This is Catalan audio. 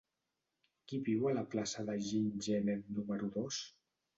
Qui viu a la plaça de Jean Genet número dos?